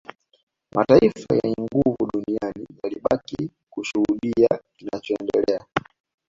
Mataifa yenye nguvu duniani yalibaki kushuhudia kinachoendelea